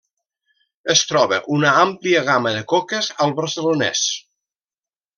Es troba una àmplia gamma de coques al Barcelonès.